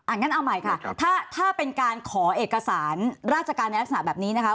งั้นเอาใหม่ค่ะถ้าเป็นการขอเอกสารราชการในลักษณะแบบนี้นะคะ